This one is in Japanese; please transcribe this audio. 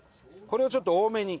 これを、ちょっと多めに。